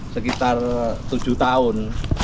sekitar tujuh tahun